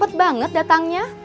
cepet banget datangnya